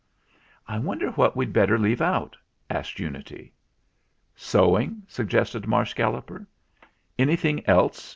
"I wonder what we'd better leave out?" asked Unity. "Sewing," suggested Marsh Galloper. "Anything else?"